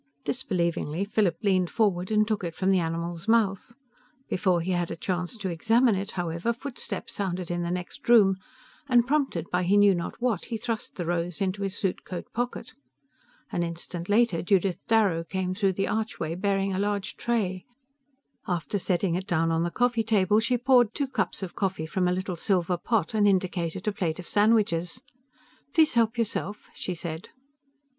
Disbelievingly, Philip leaned forward and took it from the animal's mouth. Before he had a chance to examine it, however, footsteps sounded in the next room, and prompted by he knew not what, he thrust the rose into his suitcoat pocket. An instant later, Judith Darrow came through the archway bearing a large tray. After setting it down on the coffee table, she poured two cups of coffee from a little silver pot and indicated a plate of sandwiches. "Please help yourself," she said.